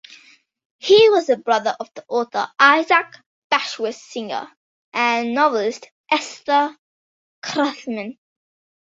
He was the brother of author Isaac Bashevis Singer and novelist Esther Kreitman.